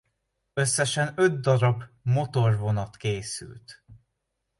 Összesen öt db motorvonat készült.